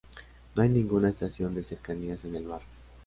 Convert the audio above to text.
No hay ninguna estación de Cercanías en el barrio.